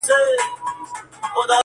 څه ژوندون دی څه غمونه څه ژړا ده-